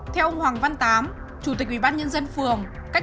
theo ông hoàng văn tám chủ tịch ubnd phường